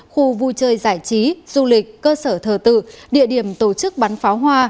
khu vui chơi giải trí du lịch cơ sở thờ tự địa điểm tổ chức bắn pháo hoa